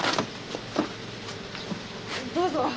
どうぞ。